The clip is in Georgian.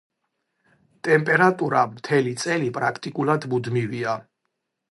ტემპერატურა მთელი წელი პრაქტიკულად მუდმივია.